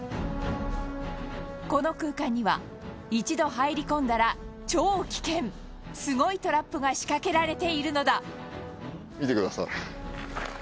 この空間には一度入り込んだら超危険すごいトラップが仕掛けられているのだ斎藤さん：